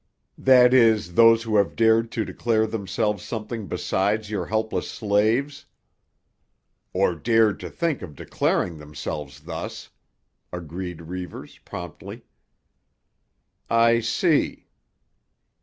"That is, those who have dared to declare themselves something besides your helpless slaves." "Or dared to think of declaring themselves thus," agreed Reivers promptly. "I see."